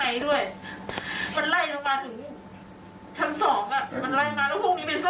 มันขึ้นทางบ้านมันอ่ะขึ้นไปชั้นสาม